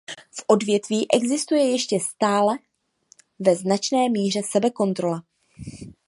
V odvětví existuje ještě stále ve značné míře sebekontrola.